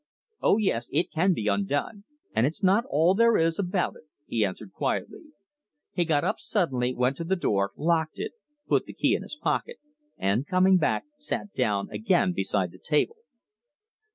"Oh yes, it can be undone, and it's not all there is about it!" he answered quietly. He got up suddenly, went to the door, locked it, put the key in his pocket, and, coming back, sat down again beside the table.